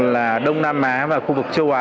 là đông nam á và khu vực châu á